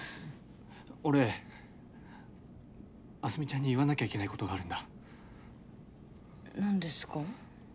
俺明日美ちゃんに言わなきゃいけないことがあるんだ何ですか？